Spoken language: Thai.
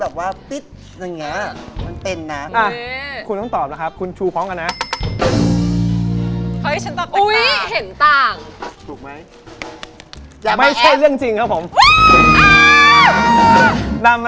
เขากะอีแค่เพื่อนไม่ตอบไลน์มันยังรีบกรุ๊ปเลย